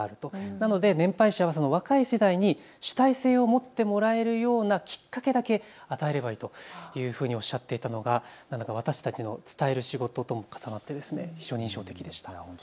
なので年配者は若い世代に主体性を持ってもらえるようなきっかけだけ与えればいいというふうにおっしゃっていたのが私たちの伝える仕事とも重なって非常に印象的でした。